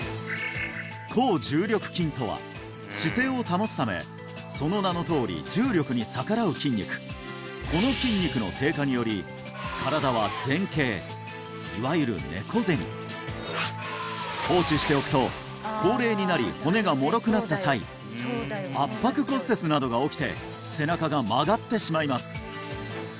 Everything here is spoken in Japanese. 抗重力筋とは姿勢を保つためその名のとおり重力に逆らう筋肉この筋肉の低下により身体は前傾いわゆる猫背に放置しておくと高齢になり骨がもろくなった際圧迫骨折などが起きて背中が曲がってしまいます